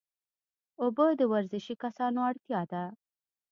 اوبه د ورزشي کسانو اړتیا ده